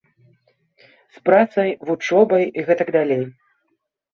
З працай, вучобай і гэтак далей.